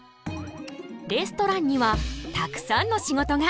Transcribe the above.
レストランにはたくさんの仕事が！